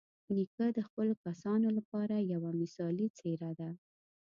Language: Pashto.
نیکه د خپلو کسانو لپاره یوه مثالي څېره ده.